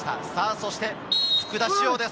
そして福田師王です。